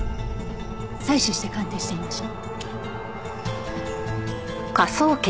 採取して鑑定してみましょう。